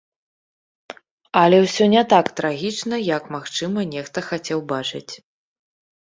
Але ўсё не так трагічна, як, магчыма, нехта хацеў бачыць.